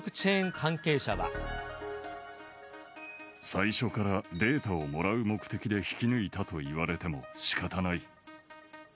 最初からデータをもらう目的で引き抜いたと言われてもしかたない。